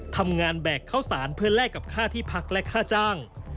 แบกข้าวสารเพื่อแลกกับค่าที่พักและค่าจ้าง